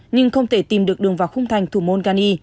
nhưng không thể tìm được đường vào khung thành thủ môn gani